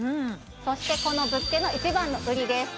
そしてこの物件の一番の売りです